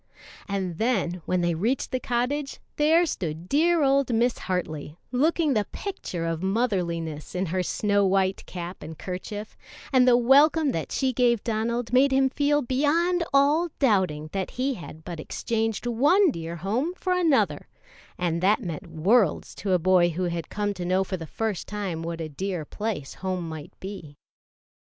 And then when they reached the cottage, there stood dear old Mis, Hartley, looking the picture of motherliness in her snow white cap and kerchief; and the welcome that she gave Donald made him feel beyond all doubting that he had but exchanged one dear home for another; and that meant worlds to a boy who had come to know for the first time what a dear place home might be.